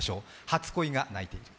「初恋が泣いている」